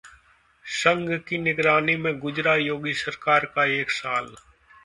संघ की 'निगरानी' में गुजरा योगी सरकार का एक साल